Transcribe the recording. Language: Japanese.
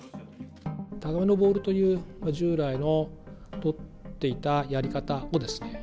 高めのボールという従来の取っていたやり方をですね、